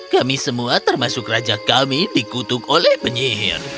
kami semua termasuk raja kami dikutuk oleh penyihir